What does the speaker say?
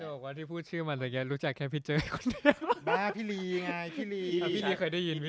โจ๊กว่าที่พูดชื่อมันแบบเนี่ยรู้จักแค่พี่เจ้าคนเดียว